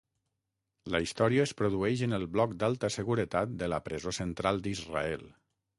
La història es produeix en el bloc d'alta seguretat de la presó central d'Israel.